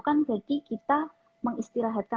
kan bagi kita mengistirahatkan